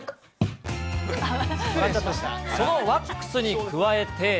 そのワックスに加えて。